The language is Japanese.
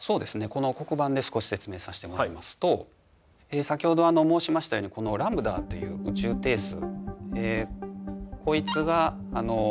この黒板で少し説明さしてもらいますと先ほど申しましたようにこのラムダという宇宙定数